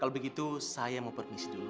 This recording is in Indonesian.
kalau begitu saya mau permis dulu